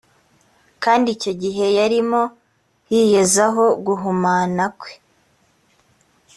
kandi icyo gihe yarimo yiyezaho guhumana kwe